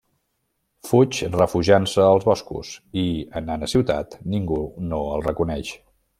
Fuig, refugiant-se als boscos i, anant a ciutat, ningú no el reconeix.